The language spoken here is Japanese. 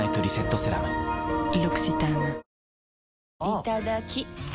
いただきっ！